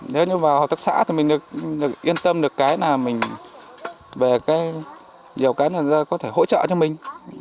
nếu như vào hộ trồng sạch thì mình yên tâm được cái là mình về nhiều cái là có thể hỗ trợ cho mình